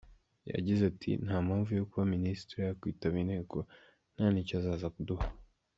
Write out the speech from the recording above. Yagize ati “Nta mpamvu yo kuba minisitiri yakwitaba inteko nta n’icyo azaza kuduha.